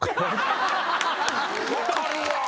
分かるわぁ！